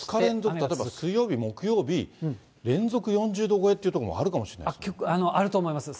２日連続って、水曜日、木曜日、連続４０度超えって所もあるかもしれないですね。